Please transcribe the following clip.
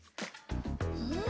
うん？